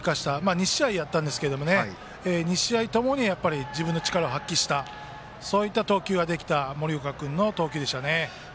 ２試合やったんですが２試合ともに自分の力を発揮した投球ができた森岡君の投球でした。